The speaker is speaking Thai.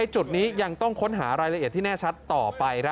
จุดนี้ยังต้องค้นหารายละเอียดที่แน่ชัดต่อไป